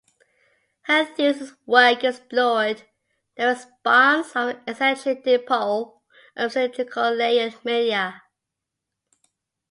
Her thesis work explored the response of an eccentric dipole in cylindrical layered media.